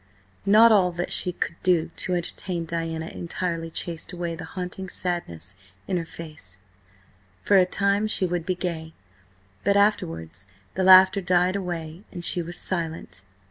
Not all that she could do to entertain Diana entirely chased away the haunting sadness in her face; for a time she would be gay, but afterwards the laughter died away and she was silent.